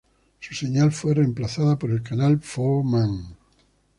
Su señal fue reemplazada por el canal For Man.